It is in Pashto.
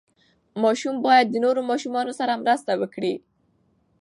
ماشوم باید د نورو ماشومانو سره مرسته وکړي.